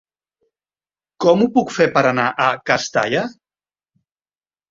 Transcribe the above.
Com ho puc fer per anar a Castalla?